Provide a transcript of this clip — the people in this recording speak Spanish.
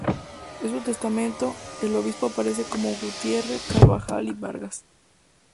En su testamento, el obispo aparece como Gutierre Carvajal y Vargas.